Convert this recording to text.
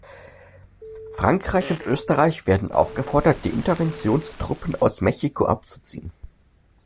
Frankreich und Österreich werden aufgefordert, die Interventionstruppen aus Mexiko abzuziehen.